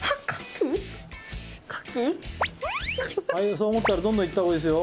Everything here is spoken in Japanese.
そう思ったらどんどんいったほうがいいですよ。